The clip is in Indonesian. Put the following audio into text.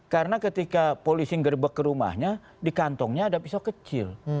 karena ketika polisi gerbek ke rumahnya di kantongnya ada pisau kecil